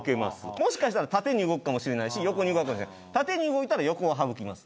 もしかしたら縦に動くかもしれないし横に動くかもしれない縦に動いたら横は省きます。